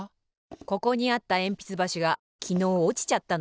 ここにあったえんぴつばしがきのうおちちゃったのよ。